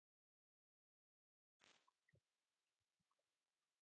Ihɔbɔniya indi na mala mahitɛ ó ikaká.